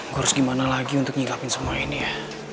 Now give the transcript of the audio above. gue harus gimana lagi untuk nyiapin semua ini ya